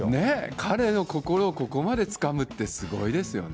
彼の心をここまでつかむってすごいですよね。